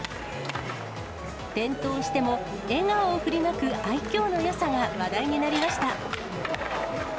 転倒しても笑顔を振りまく愛きょうのよさが話題になりました。